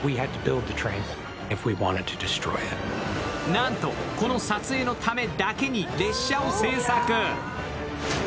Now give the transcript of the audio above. なんとこの撮影のためだけに列車を制作。